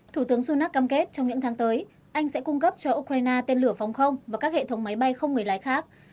thủ tướng sunak cam kết trong những tháng tới anh sẽ cung cấp cho ukraine tên lửa phòng không và các hệ thống máy bay không người lái khác